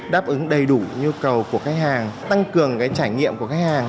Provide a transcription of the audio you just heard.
đáp ứng đầy đủ nhu cầu của khách hàng tăng cường trải nghiệm của khách hàng